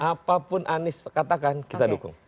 apapun anies katakan kita dukung